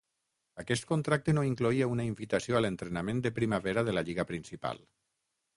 Aquest contracte no incloïa una invitació a l'entrenament de primavera de la lliga principal.